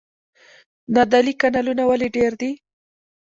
نادعلي کانالونه ولې ډیر دي؟